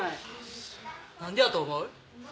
何でやと思う？